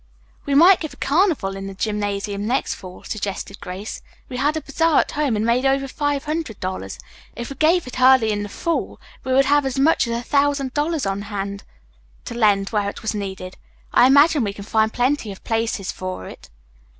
"We might give a carnival in the gymnasium next fall," suggested Grace. "We had a bazaar at home and made over five hundred dollars. If we gave it early in the fall we would have as much as a thousand dollars on hand to lend where it was needed. I imagine we can find plenty of places for it."